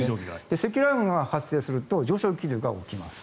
積乱雲が発生すると上昇気流が起きます。